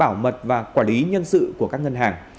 bảo mật và quản lý nhân sự của các ngân hàng